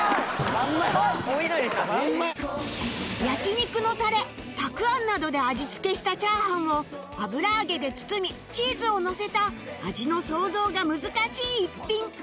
焼き肉のタレたくあんなどで味付けした炒飯を油揚げで包みチーズをのせた味の想像が難しい一品